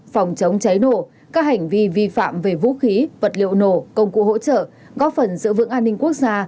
phòng chống cháy nổ các hành vi vi phạm về vũ khí vật liệu nổ công cụ hỗ trợ góp phần giữ vững an ninh quốc gia